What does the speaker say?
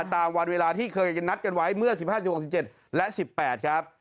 ตามวันเวลาที่เคยนัดกันไว้เมื่อ๑๕๖๗และ๑๘ครับ